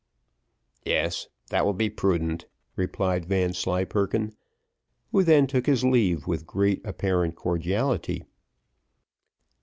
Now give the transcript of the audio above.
"Yes, that will be prudent," replied Vanslyperken, who then took his leave with great apparent cordiality.